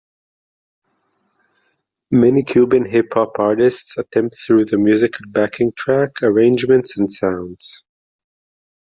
Many Cuban hip hop artists attempt through the musical backing track arrangements and sounds.